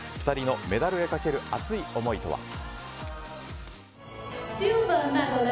２人のメダルへかける熱い思いとは。